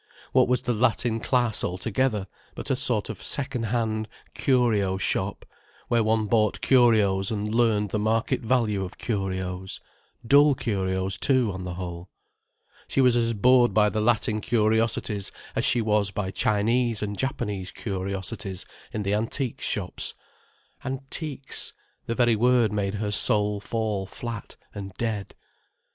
What was the Latin class altogether but a sort of second hand curio shop, where one bought curios and learned the market value of curios; dull curios too, on the whole. She was as bored by the Latin curiosities as she was by Chinese and Japanese curiosities in the antique shops. "Antiques"—the very word made her soul fall flat and dead.